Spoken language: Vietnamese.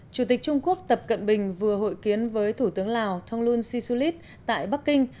chủ tịch trung quốc tập cận bình vừa hội kiến với thủ tướng lào thonglun sisulit tại bắc kinh